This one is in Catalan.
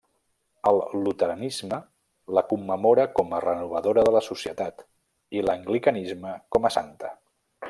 El luteranisme la commemora com a renovadora de la societat, i l'anglicanisme com a santa.